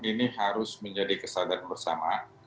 ini harus menjadi kesadaran bersama